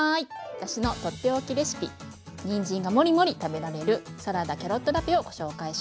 私のとっておきレシピにんじんがモリモリ食べられるサラダキャロットラペをご紹介します！